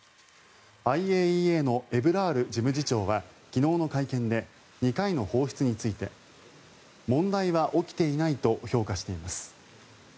ＩＡＥＡのエブラール事務次長は昨日の会見で２回の放出について問題は起きていないと評価しています。